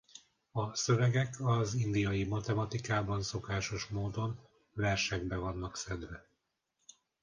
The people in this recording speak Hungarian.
A szövegek az indiai matematikában szokásos módon versekbe vannak szedve.